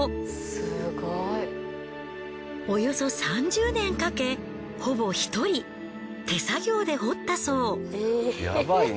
およそ３０年かけほぼ１人手作業で掘ったそう。